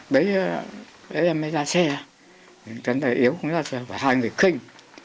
bấy em ấy ra xe chẳng thể yếu không ra xe phải hai người kinh